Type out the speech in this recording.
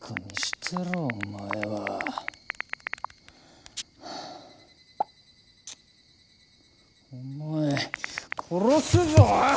てろお前は。お前殺すぞ！